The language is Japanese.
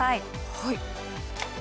はい。